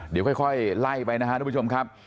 เดี๋ยวค่อยไล่ไปนะครับทุกผู้ชมครับ